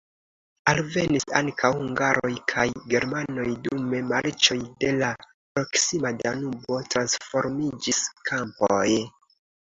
Alvenis ankaŭ hungaroj kaj germanoj, dume marĉoj de la proksima Danubo transformiĝis kampoj.